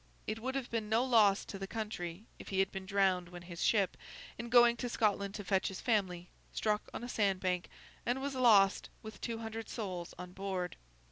It would have been no loss to the country, if he had been drowned when his ship, in going to Scotland to fetch his family, struck on a sand bank, and was lost with two hundred souls on board.